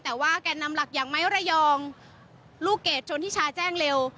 แต่ว่าแก่นำหลักอย่างไม้ระยองลูกเกดชนทิชาแจ้งเร็ว